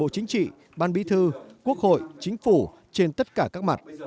chính trị ban bí thư quốc hội chính phủ trên tất cả các mặt